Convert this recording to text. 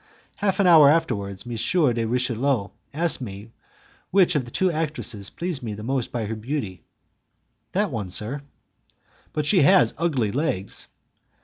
Half an hour afterwards M. de Richelieu asked me which of the two actresses pleased me most by her beauty. "That one, sir." "But she has ugly legs."